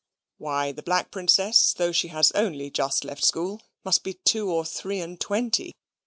"Why the Black Princess, though she has only just left school, must be two or three and twenty.